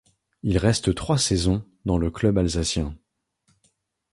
Il reste trois saisons dans le club alsacien.